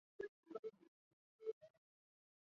吴德耀博士接任第二任校长。